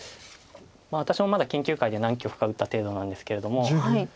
私もまだ研究会で何局か打った程度なんですけれども。